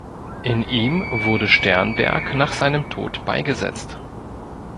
In ihm wurde Sternberg nach seinem Tod beigesetzt.